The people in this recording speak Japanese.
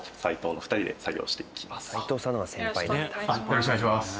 よろしくお願いします。